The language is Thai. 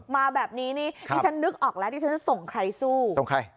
มาแบบนี้นี่ดิฉันนึกออกแล้วดิฉันจะส่งใครสู้ส่งใคร